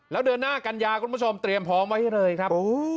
แล้วเดือนหน้ากันยาคุณผู้ชมเตรียมพร้อมไว้ให้เลยครับ